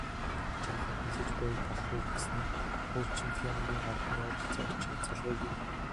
Жаахан хүлээж байвал болох уу гэснээ хуучин Пионерын ордны ойролцоо очоод залгая гэв